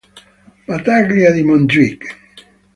Battaglia di Montjuïc